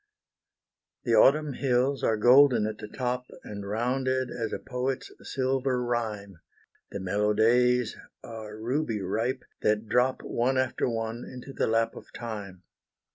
The Autumn hills are golden at the top, And rounded as a poet's silver rhyme; The mellow days are ruby ripe, that drop One after one into the lap of time.